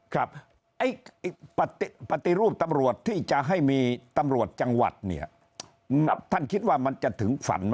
ครับไอ้ปฏิรูปตำรวจที่จะให้มีตำรวจจังหวัดเนี่ยท่านคิดว่ามันจะถึงฝันไหม